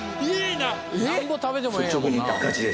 なんぼ食べてもええんやもんな。